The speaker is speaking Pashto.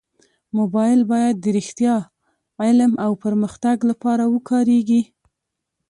موبایل باید د رښتیا، علم او پرمختګ لپاره وکارېږي.